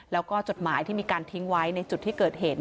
แล้วก็จดหมายที่มีการทิ้งไว้ในจุดที่เกิดเหตุ